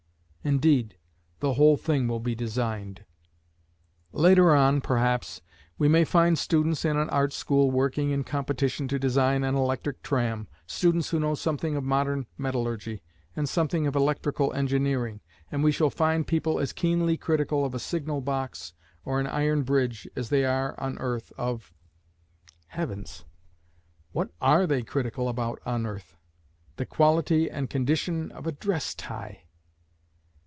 Indeed the whole thing will be designed. Later on, perhaps, we may find students in an art school working in competition to design an electric tram, students who know something of modern metallurgy, and something of electrical engineering, and we shall find people as keenly critical of a signal box or an iron bridge as they are on earth of ! Heavens! what are they critical about on earth? The quality and condition of a dress tie!